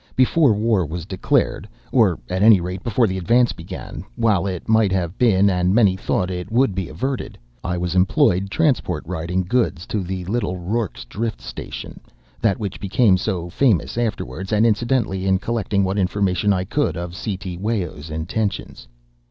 Before war was declared, or at any rate before the advance began, while it might have been and many thought it would be averted, I was employed transport riding goods to the little Rorke's Drift Station, that which became so famous afterwards, and incidentally in collecting what information I could of Cetewayo's intentions.